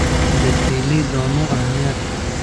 د تیلي دانو اهمیت.